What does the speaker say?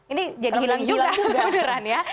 ini jadi hilang juga